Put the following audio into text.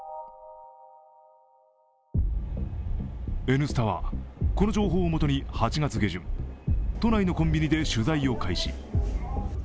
「Ｎスタ」はこの情報をもとに８月下旬、都内のコンビニで取材を開始。